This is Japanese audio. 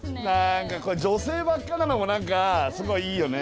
何か女性ばっかなのも何かすごいいいよね。